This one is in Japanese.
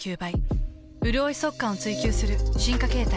うるおい速乾を追求する進化形態。